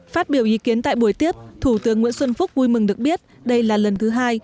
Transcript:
phát biểu ý kiến tại buổi tiếp thủ tướng nguyễn xuân phúc vui mừng được biết đây là lần thứ hai